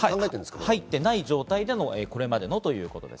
入っていない状態でのこれまでのということです。